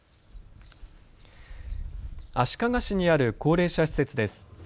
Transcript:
足利市にある高齢者施設です。